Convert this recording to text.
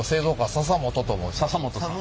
笹本さん。